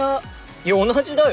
いや同じだよ。